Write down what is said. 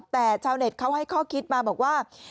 แต่ชาวเน็ตเขาให้ข้อคิดมาบอกว่า